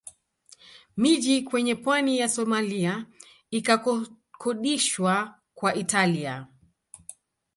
Miji kwenye pwani ya Somalia ikakodishwa kwa Italia